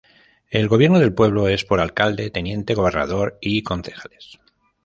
El gobierno del pueblo es por alcalde, teniente gobernador y concejales.